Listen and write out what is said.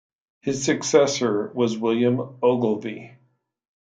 His successor was William Ogilvie.